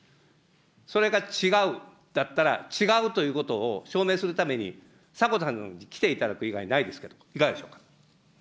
それが違うんだったら、違うということを証明するために、迫田さんに来ていただく以外にないですが、いかがでしょうか。